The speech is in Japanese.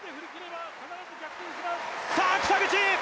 さあ北口！